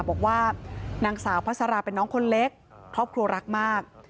บอกว่านางสาวพัสราเป็นน้องคนเล็กครอบครัวรักมาก